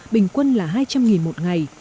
bình quân là hai trăm linh một ngày